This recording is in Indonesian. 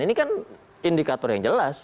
ini kan indikator yang jelas